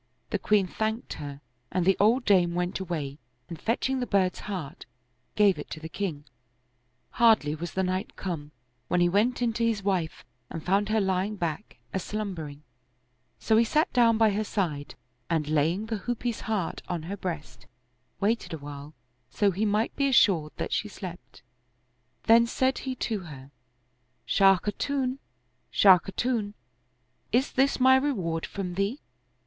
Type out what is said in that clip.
The queen thanked her and the old dame went away and fetching the bird's heart, gave it to the king. Hardly was the night come, when he went in to his wife and found her lying back, a slumbering ; so he sat down by her side and laying the hoopoe's heart on her breast, waited awhile, so he might be assured that she slept Then said he to her, " Shah Khatun, Shah Khatun, is 8i Oriental Mystery Stories this my reward from thee?"